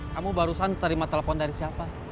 kamu barusan terima telepon dari siapa